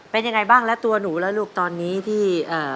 เป็นยังไงบ้างแล้วตัวหนูแล้วลูกตอนนี้ที่